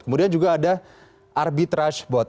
kemudian juga ada arbitrage bot